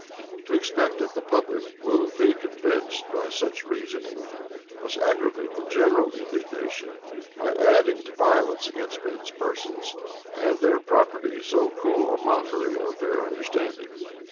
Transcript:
To expect that the public will be convinced by such reasoning, must aggravate the general indignation, by adding to violence against men's persons, and their property, so cruel a mockery of their understanding.